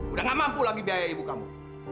udah gak mampu lagi biaya ibu kamu